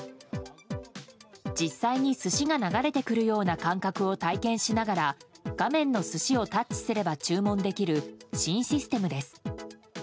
実際に寿司が流れてくるような感覚を体験しながら画面の寿司をタッチすれば注文できる、新システムです。